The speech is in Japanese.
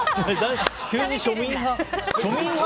急に庶民派。